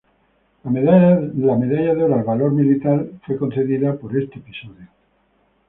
La Medalla de Oro al Valor Militar fue concedida por este episodio.